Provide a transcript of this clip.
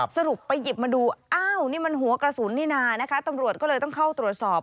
สรุปไปหยิบมาดูอ้าวนี่มันหัวกระสุนนี่นานะคะตำรวจก็เลยต้องเข้าตรวจสอบ